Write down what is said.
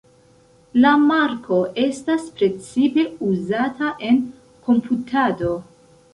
La marko estas precipe uzata en komputado.